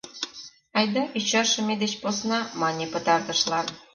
— Айда ӱчашыме деч посна, — мане пытартышлан.